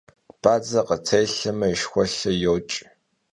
Badze khıtêlheme, yi şşxulhe yopç'.